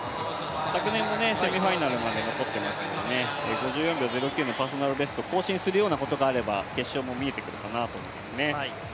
昨年もセミファイナルまで残っていますので、５４秒０９のパーソナルベストを更新するようなことがあれば、次も見えてくるかなと思います。